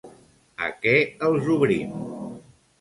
A què els obrim?